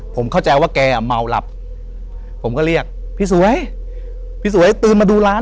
ผมเข้าใจว่าแกอ่ะเมาหลับผมก็เรียกพี่สวยพี่สวยตื่นมาดูร้าน